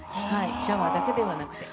シャワーだけではなくて。